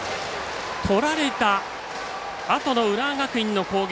取られたあとの浦和学院の攻撃。